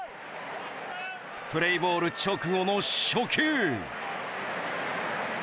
プレーボール直後の初球。